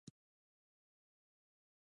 د ننګرهار په بټي کوټ کې د ګچ نښې شته.